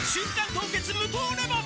凍結無糖レモン」